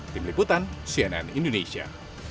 tim liputan cnn indonesia